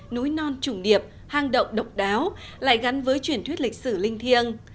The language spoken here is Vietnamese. núi non trùng điệp hang động độc đáo lại gắn với truyền thuyết lịch sử linh thiêng